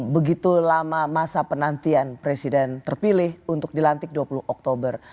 begitu lama masa penantian presiden terpilih untuk dilantik dua puluh oktober